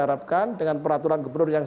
harapkan dengan peraturan gubernur yang